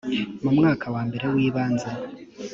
mu mwaka wambere wibanze